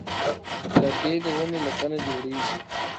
لرګی د ونې له تنه جوړېږي.